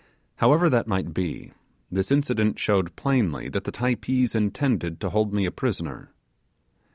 However that might be, this incident showed plainly that the Typees intended to hold me a prisoner.